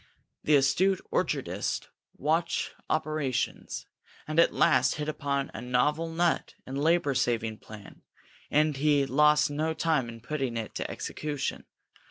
The astute orchardist watched operations, and at last hit upon a novel nut and labor saving plan, and he lost no time in putting it into execution.